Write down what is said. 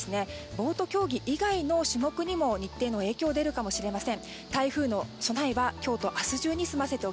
ボート競技以外の種目にも日程の影響が出るかもしれません。